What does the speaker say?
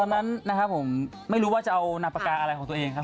ตอนนั้นนะครับผมไม่รู้ว่าจะเอานามปากกาอะไรของตัวเองครับ